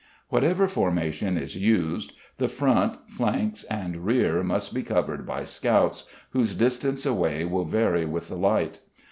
Whatever formation is used, the front, flanks and rear must be covered by scouts, whose distance away will vary with the light.